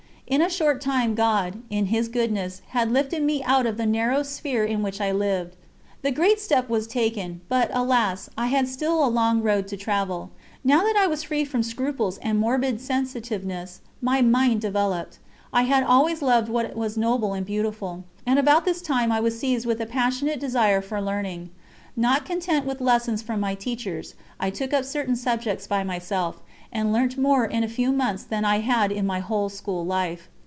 In a short time God, in His goodness, had lifted me out of the narrow sphere in which I lived. The great step was taken; but, alas! I had still a long road to travel. Now that I was free from scruples and morbid sensitiveness, my mind developed. I had always loved what was noble and beautiful, and about this time I was seized with a passionate desire for learning. Not content with lessons from my teachers, I took up certain subjects by myself, and learnt more in a few months than I had in my whole school life.